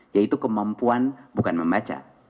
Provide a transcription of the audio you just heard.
yaitu kemampuan bukan membaca